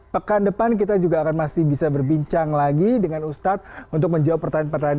pekan depan kita juga akan masih bisa berbincang lagi dengan ustadz untuk menjawab pertanyaan pertanyaan